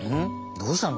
どうしたの？